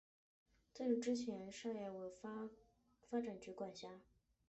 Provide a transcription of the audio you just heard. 在这之前沙亚南由雪兰莪州发展局管辖。